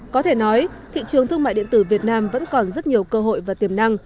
có thể nói thị trường thương mại điện tử việt nam vẫn còn rất nhiều cơ hội và tiềm năng